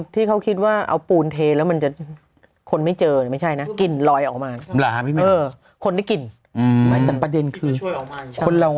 ที่ตายในบ้านยังตายร้อยค่ะ